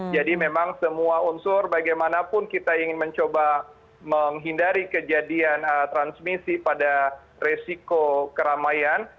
jadi memang semua unsur bagaimanapun kita ingin mencoba menghindari kejadian transmisi pada resiko keramaian